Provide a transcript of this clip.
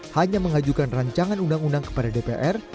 hanya mengajukan rancangan undang undang kepada dpr